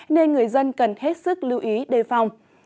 nên người dân cần hết sức lưu ý đề phòng